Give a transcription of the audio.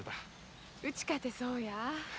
うちかてそうや。